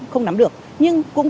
không nắm được nhưng cũng